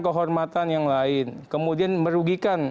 kehormatan yang lain kemudian merugikan